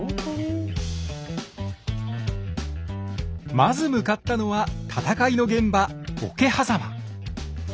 まず向かったのは戦いの現場桶狭間。